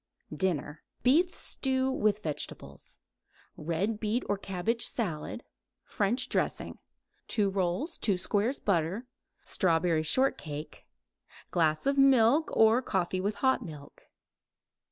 DINNER Beef stew with vegetables; red beet or cabbage salad, French dressing; 2 rolls; 2 squares butter; strawberry short cake; glass of milk or coffee with hot milk.